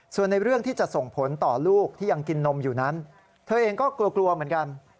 ส่วนในเรื่องที่จะส่งผลต่อลูกที่ยังกินนมอยู่นั้นเธอเองก็กลัวเหมือนกัน